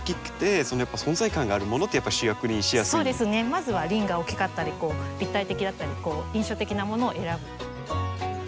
まずは輪が大きかったり立体的だったり印象的なものを選ぶ。